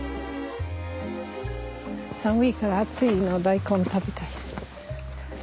寒いから熱いの大根食べたい。